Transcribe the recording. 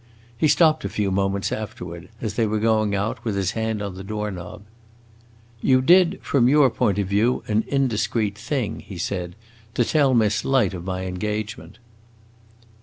He stopped a few moments afterward, as they were going out, with his hand on the door knob. "You did, from your own point of view, an indiscreet thing," he said, "to tell Miss Light of my engagement."